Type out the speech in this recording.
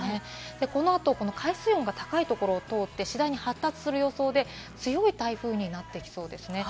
この後、海水温が高いところを通って次第に発達する予想で強い台風になっていきそうです。